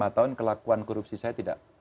lima tahun kelakuan korupsi saya tidak